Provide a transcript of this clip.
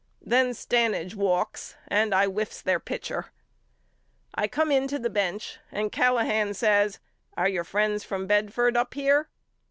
Then Stanage walks and I whiffs their pitcher. I come in to the bench and Callahan says Are your friends from Bedford up here